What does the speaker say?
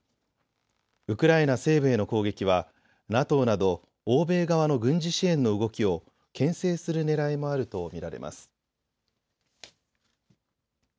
ウクライナ西部への攻撃はＮＡＴＯなど欧米側の軍事支援の動きをけん制するねらいもあると見られます。